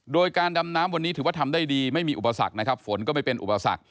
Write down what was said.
โดยการดำน้ำวันนี้ถือว่าทำได้ดีไม่มีอุปสรรคนะครับฝนก็ไม่เป็นอุปสรรค